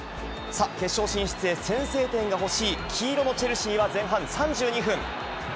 さあ、決勝進出へ先制点が欲しい黄色のチェルシーは、前半３２分。